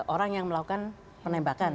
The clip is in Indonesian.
orang yang melakukan penembakan